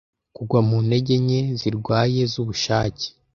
Kugwa mu ntege nke zirwaye zubushake